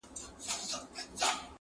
صوفي پرېښودې خبري د اورونو،